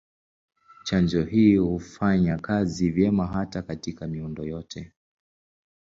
Chanjo hii hufanya kazi vyema hata katika miundo yote.